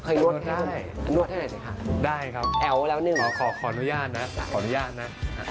เคยนวดได้นวดให้หน่อยสิคะได้ครับเอ๋วแล้วหนึ่งขออนุญาตนะขออนุญาตนะ